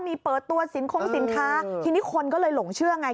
มีเปิดตัวสินคงสินค้าทีนี้คนก็เลยหลงเชื่อไง